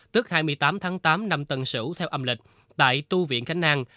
tức hai mươi tám tháng tám năm tân sửu theo âm lịch tại tu viện khánh an